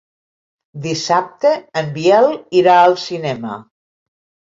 Dissabte en Biel irà al cinema.